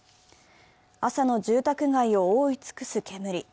朝の住宅街を覆い尽くす煙。